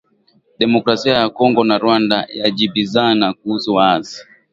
Demokrasia ya Kongo na Rwanda zajibizana kuhusu waasi